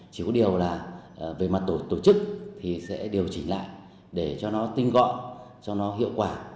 chỉ có điều là về mặt tổ chức thì sẽ điều chỉnh lại để cho nó tinh gọn cho nó hiệu quả